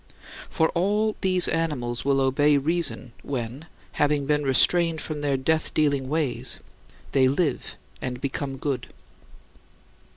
" For all these animals will obey reason when, having been restrained from their death dealing ways, they live and become good.